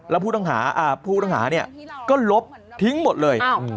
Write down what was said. แล้วผู้ต้องหาเนี่ยก็ลบทิ้งหมดเลย